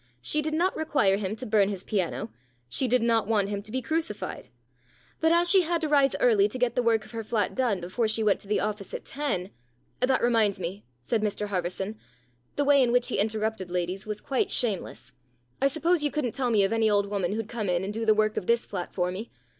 She did not require him to burn his piano. She did not want him to be crucified. But as she had to rise early to get the work of her flat done before she went to the office at ten " That reminds me," said Mr Harverson. The way in which he interrupted ladies was quite THE DOLL 171 shameless. " I suppose you couldn't tell me of any old woman who'd come in and do the work of this flat for me.